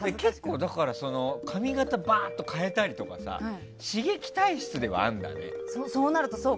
髪形をバーッと変えたりとか刺激体質ではあるんだね。